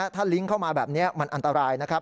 ถ้าลิงก์เข้ามาแบบนี้มันอันตรายนะครับ